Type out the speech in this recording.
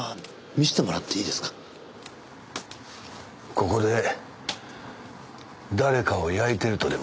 ここで誰かを焼いてるとでも？